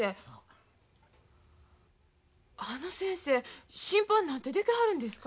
あの先生審判なんてできはるんですか？